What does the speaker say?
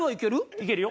いけるよ。